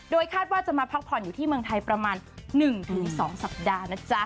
คาดว่าจะมาพักผ่อนอยู่ที่เมืองไทยประมาณ๑๒สัปดาห์นะจ๊ะ